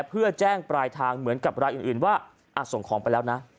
เพื่อแจ้งปลายทางเหมือนกับรายอื่นว่าส่งของไปแล้วนะ